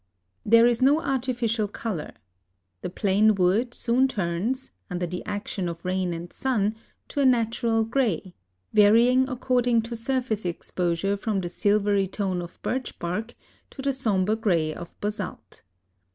There is no artificial color. The 2 A LIVING GOD plain wood ^ soon turns, under the action of rain and sun, to a natural grey, varying ac cording to surface exposure from the silvery tone of birch bark to the sombre grey of basalt.